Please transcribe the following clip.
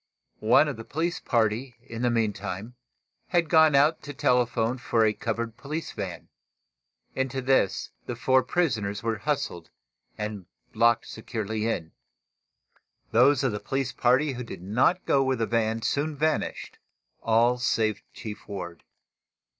One of the police party, in the meantime, had gone out to telephone for a covered police van. Into this the four prisoners were hustled and locked securely in. Those of the police party who did not go with the van soon vanished, all, save Chief Ward.